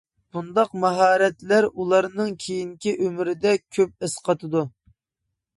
بۇنداق ماھارەتلەر ئۇلارنىڭ كېيىنكى ئۆمرىدە كۆپ ئەسقاتىدۇ.